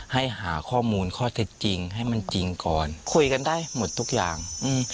ให้หาข้อมูลข้อเท็จจริงให้มันจริงก่อนคุยกันได้หมดทุกอย่าง